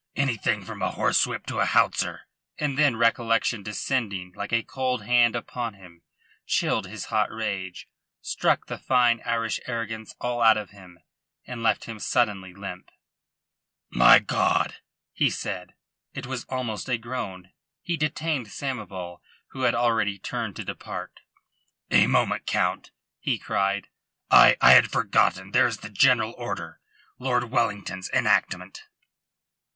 "Anything from a horsewhip to a howitzer." And then recollection descending like a cold hand upon him chilled his hot rage, struck the fine Irish arrogance all out of him, and left him suddenly limp. "My God!" he said, and it was almost a groan. He detained Samoval, who had already turned to depart. "A moment, Count," he cried. "I I had forgotten. There is the general order Lord Wellington's enactment."